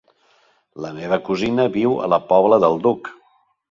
La meva cosina viu a la Pobla del Duc.